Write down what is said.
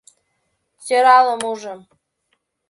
Сӧралым ужым